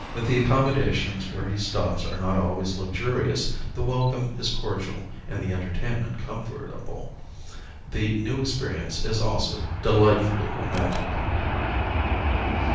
If the accommodations where he stops are not always luxurious the welcome is cordial and the entertainment comfortable. The new experience is also delightfully romantic.